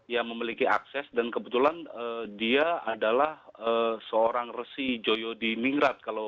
yang memiliki akses dan kebetulan dia adalah seorang resi joyo di ningrat